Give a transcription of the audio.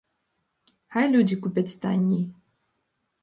Хай людзі купяць танней.